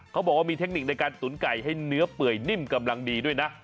เขาบอกว่ามีเทคนิคในการตุ๋นไก่ให้เนื้อเปื่อยนิ่มกำลังดีด้วยนะ